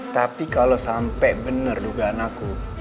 tapi kalau sampe bener dugaan aku